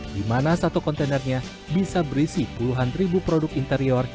di mana satu kontainernya bisa berisi puluhan ribu produk interior